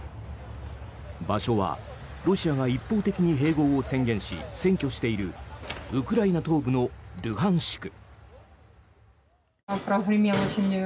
場所はロシアが一方的に併合を宣言し占拠しているウクライナ東部のルハンシク。